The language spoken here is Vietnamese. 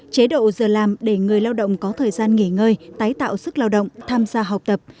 chế độ giờ làm để người lao động có thời gian nghỉ ngơi tái tạo sức lao động tham gia học tập